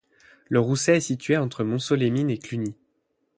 Le Rousset est située entre Montceau-les-Mines et Cluny.